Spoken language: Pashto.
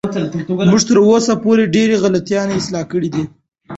موږ تر اوسه پورې ډېرې غلطۍ اصلاح کړې دي.